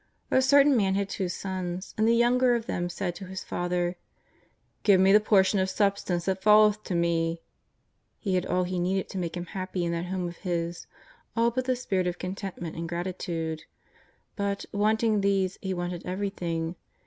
A certain man had two sons, and the younger of them said to his father :" Give me the portion of substance that falleth to me." He had all he needed to make him happy in that home of his — all but the spirit of contentment and gratitude. But, wanting these, he wanted everything.